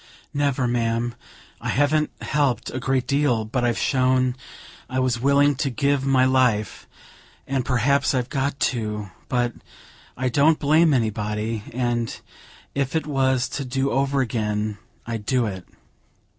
"Never, ma'am; I haven't helped a great deal, but I've shown I was willing to give my life, and perhaps I've got to; but I don't blame anybody, and if it was to do over again, I'd do it.